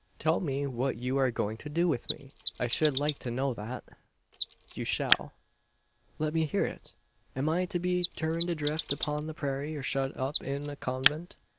Tell me what you are going to do with me! I should like to know that." "You shall." "Let me hear it! Am I to be turned adrift upon the prairie, or shut up in a convent?